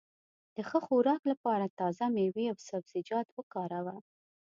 د ښه خوراک لپاره تازه مېوې او سبزيجات وکاروه.